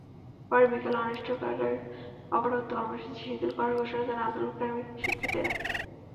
পরে বিকেলে অনির্দিষ্টকালের অবরোধ কর্মসূচি শিথিল করার ঘোষণা দেন আন্দোলনকারী শিক্ষার্থীরা।